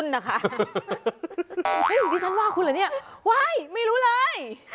เอ๊ะมันดีฉันว่าคุณหละเนี่ยว่าให้ไม่รู้เลย